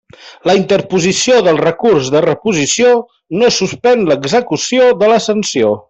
La interposició del recurs de reposició no suspèn l'execució de la sanció.